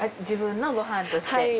自分のご飯として？